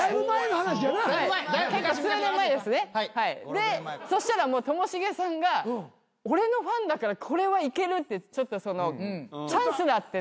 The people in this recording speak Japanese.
でそしたらともしげさんが俺のファンだからこれはいける！ってチャンスだって。